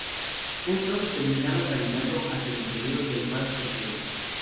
Juntos, terminan caminando hacia el interior del mar sonriendo.